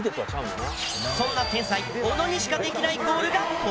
そんな天才小野にしかできないゴールがこれ。